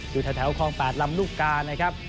อยู่แถวคลอง๘ลำลูกกานะครับ